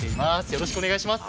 よろしくお願いします。